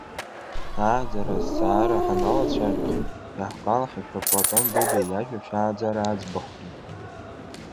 Ааӡара азҵаара ҳаналацәажәах, иаҳгәалаҳаршәап Платон Бебиа иажәабжь Ааӡара аӡбахәгьы.